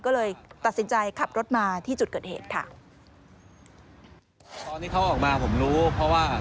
ก็เลยตัดสินใจขับรถมาที่จุดเกิดเหตุค่ะ